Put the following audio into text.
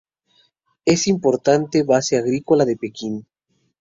Es una importante base agrícola de Pekín.